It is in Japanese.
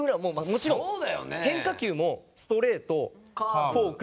もちろん変化球もストレートフォークカーブ。